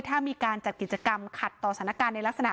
ถ้ามีการจัดกิจกรรมขัดต่อสถานการณ์ในลักษณะ